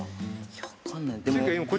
いや分かんない。